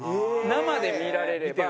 生で見られれば。